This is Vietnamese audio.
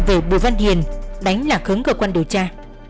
về bùi văn hiền đánh lạc hứng cơ quan điều tra